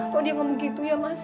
kalau dia ngomong gitu ya mas